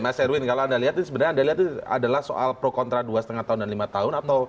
mas erwin kalau anda lihat ini sebenarnya anda lihat adalah soal pro kontra dua lima tahun dan lima tahun